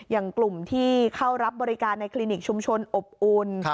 อย่างกลุ่มที่เข้ารับบริการในคลินิกชุมชนอบอุ่น